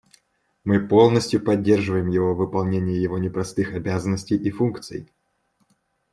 Мы полностью поддерживаем его в выполнении его непростых обязанностей и функций.